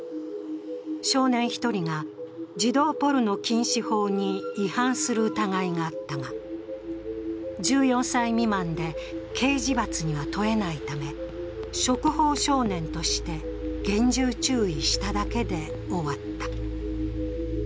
少年１人が、児童ポルノ禁止法に違反する疑いがあったが、１４歳未満で刑事罰には問えないため、触法少年として厳重注意しただけで終わった。